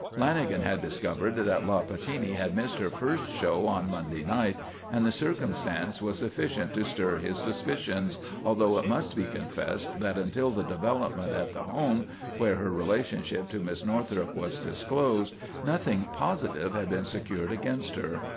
Lanagan had discovered that La Pattini had missed her first show on Monday night, and the circumstance was sufficient to stir his suspicions, although it must be confessed that until the development at the home, where her relationship to Miss Northrup was disclosed, nothing positive had been secured against her.